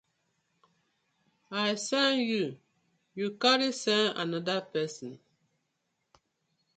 I sen yu, yu carry sen anoda pesin.